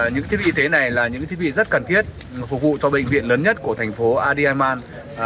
những thiết bị y tế này là những thiết bị rất cần thiết phục vụ cho bệnh viện lớn nhất của thành phố adiman